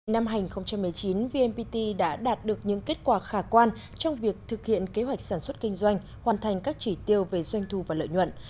năm hai nghìn một mươi chín vmpt đã đạt được những kết quả khả quan trong việc thực hiện kế hoạch sản xuất kinh doanh hoàn thành các chỉ tiêu về doanh thu và lợi nhuận